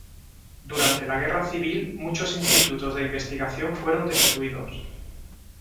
Durante la guerra civil muchos institutos de investigación fueron destruidos.